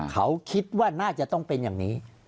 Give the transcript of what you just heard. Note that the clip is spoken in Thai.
เขาคิดว่าน่าจะต้องเป็นอย่างนี้